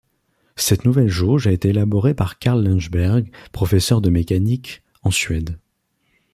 Cette nouvelle jauge a été élaborée par Karl Ljungberg, professeur de mécanique en Suède.